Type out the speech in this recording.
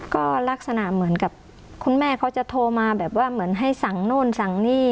ก็ลักษณะเหมือนกับคุณแม่เขาจะโทรมาแบบว่าเหมือนให้สั่งโน่นสั่งนี่